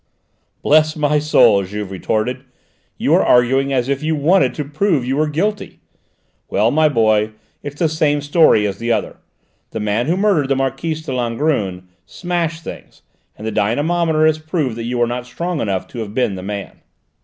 "Bless my soul!" Juve retorted, "you are arguing as if you wanted to prove you were guilty. Well, my boy, it's the same story as the other. The man who murdered the Marquise de Langrune smashed things, and the dynamometer has proved that you are not strong enough to have been the man."